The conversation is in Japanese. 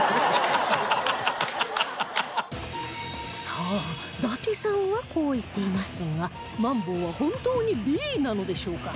さあ伊達さんはこう言っていますがマンボウは本当に Ｂ なのでしょうか